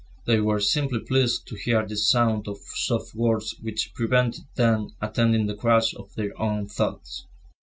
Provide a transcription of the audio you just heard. They were simply pleased to hear this sound of soft words which prevented them attending the crash of their own thoughts.